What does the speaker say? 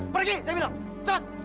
pergi saya bilang cepet